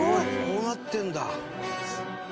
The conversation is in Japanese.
こうなってるんだ！」